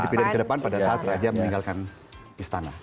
dipindah ke depan pada saat raja meninggalkan istana